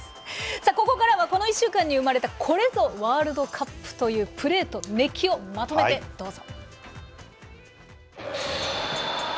ここからはこの１週間に生まれたこれぞワールドカップというプレーと熱気をまとめてどうぞ。